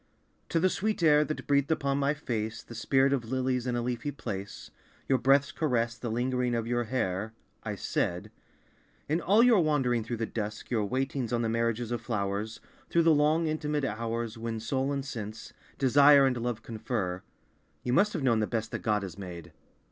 To the sweet air That breathed upon my face The spirit of lilies in a leafy place, Your breath's caress, the lingering of your hair, I said "In all your wandering through the dusk, Your waitings on the marriages of flowers Through the long, intimate hours When soul and sense, desire and love confer, You must have known the best that God has made.